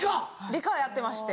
理科やってまして。